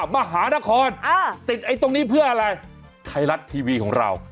มหานครติดไอ้ตรงนี้เพื่ออะไรไทยรัฐทีวีของเรา